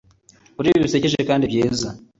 kuri ibi bisekeje kandi byiza